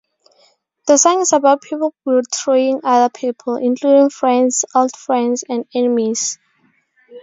The song is about people betraying other people, including friends, old friends, and enemies.